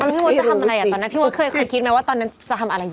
พี่มดจะทำอะไรอ่ะตอนนั้นพี่มดเคยคิดไหมว่าตอนนั้นจะทำอะไรอยู่